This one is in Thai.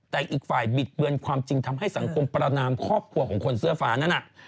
แต่อีกฝ่ายบิดเบือนความจริงทำให้สังคมประนามครอบครัวของคนเสื้อฟ้านั้นน่ะ